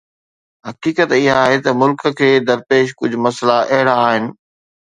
حقيقت اها آهي ته ملڪ کي درپيش ڪجهه مسئلا اهڙا آهن.